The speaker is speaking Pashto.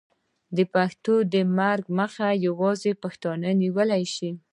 د پښتو د مرګ مخه یوازې پښتانه نیولی شي.